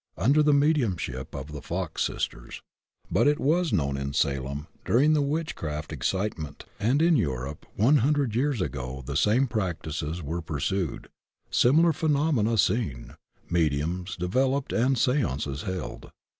imder the mediumship of the Fox sisters, but it was known in Salem during the witchcraft excitement, and in Exu^ope one hundred years ago the same practices were pxu'sued, similar phenomena seen, mediums developed and stances held.